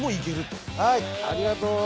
はいありがとう。